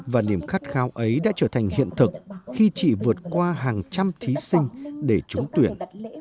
và niềm khát khao ấy đã trở thành hiện thực khi chị vượt qua hàng trăm thí sinh để trúng tuyển